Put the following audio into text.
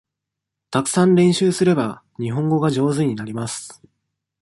たくさん練習すれば、日本語が上手になります。